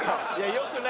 良くない。